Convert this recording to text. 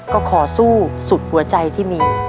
ก็ขอสู้สุดหัวใจที่มี